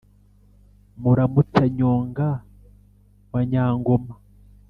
muramutsa-nyonga wa nyangoma